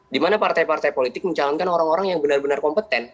dimana partai partai politik mencalonkan orang orang yang benar benar kompeten